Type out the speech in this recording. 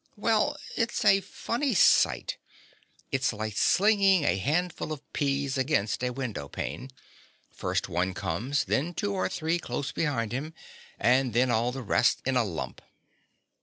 Well, it's a funny sight. It's like slinging a handful of peas against a window pane: first one comes; then two or three close behind him; and then all the rest in a lump.